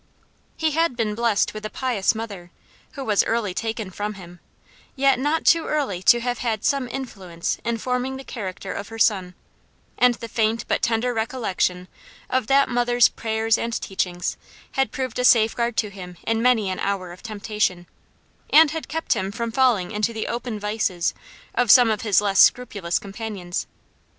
He had been blessed with a pious mother, who was early taken from him; yet not too early to have had some influence in forming the character of her son; and the faint but tender recollection of that mother's prayers and teachings had proved a safeguard to him in many an hour of temptation, and had kept him from falling into the open vices of some of his less scrupulous companions.